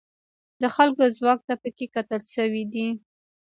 د خلکو ځواک ته پکې کتل شوي دي.